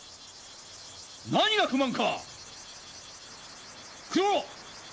何が不満か九郎！